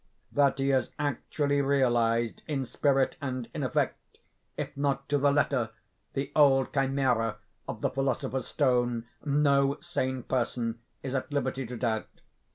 That he has actually realized, in spirit and in effect, if not to the letter, the old chimaera of the philosopher's stone, no sane person is at liberty to doubt.